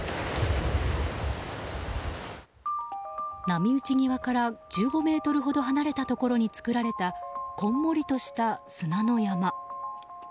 波打ち際から１５ｍほど離れたところに作られたこんもりとした砂の山。